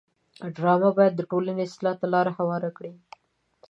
ډرامه باید د ټولنې اصلاح ته لاره هواره کړي